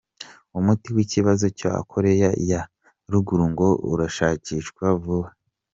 Umuti w'ikibazo cya Korea ya ruguru ngo urashakishwa vuba.